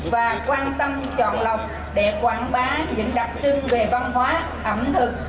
và quan tâm chọn lọc để quảng bá những đặc trưng về văn hóa ẩm thực